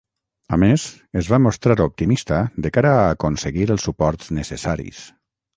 A més, es va mostrar optimista de cara a aconseguir els suports necessaris.